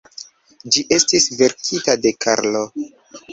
Ĝi estis verkita de Karlo.